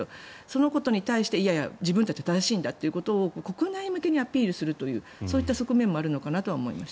そのことに対していやいや自分たちは正しいんだと国内向けにアピールするというそういった側面もあるのかなと思いました。